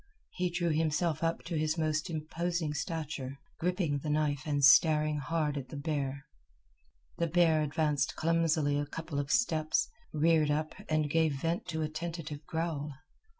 He drew himself up to his most imposing stature, gripping the knife and staring hard at the bear. The bear advanced clumsily a couple of steps, reared up, and gave vent to a tentative growl.